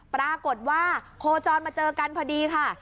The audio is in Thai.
ปรากฏว่าโคจรมาเจอกันพอดีค่ะ